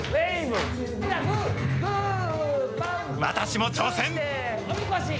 私も挑戦。